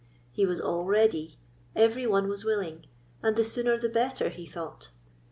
He was all ready; every one was willing, and the sooner the better, he thought.